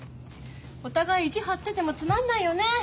お互い意地張っててもつまんないよね。